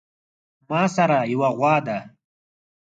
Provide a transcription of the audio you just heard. ماسره يوه غوا ده